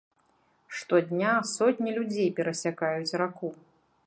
Штодня сотні людзей перасякаюць раку.